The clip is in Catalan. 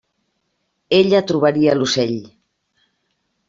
Ella trobaria l'ocell.